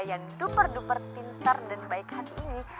yang duper duper pintar dan baik hati ini